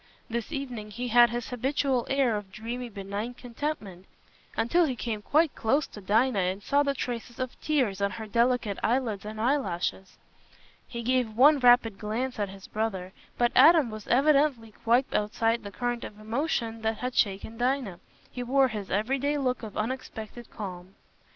This evening he had his habitual air of dreamy benignant contentment, until he came quite close to Dinah and saw the traces of tears on her delicate eyelids and eyelashes. He gave one rapid glance at his brother, but Adam was evidently quite outside the current of emotion that had shaken Dinah: he wore his everyday look of unexpectant calm.